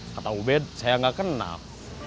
kata ubed saya nggak kenal